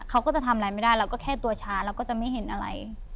เขาก็จะทำอะไรไม่ได้เราก็แค่ตัวช้าเราก็จะไม่เห็นอะไร